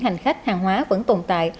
hành khách hàng hóa vẫn tồn tại